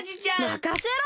まかせろ！